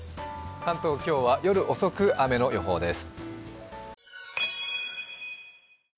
関東、今日は夜遅く、雨の予報です。